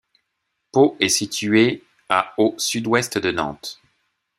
Paulx est situé à au sud-ouest de Nantes.